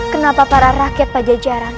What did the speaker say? kenapa para rakyat pajajaran